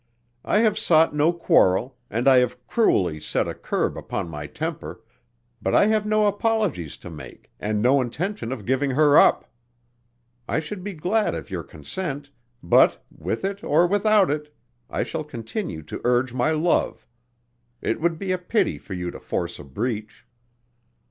I have sought no quarrel and I have cruelly set a curb upon my temper, but I have no apologies to make and no intention of giving her up. I should be glad of your consent, but with it or without it I shall continue to urge my love. It would be a pity for you to force a breach."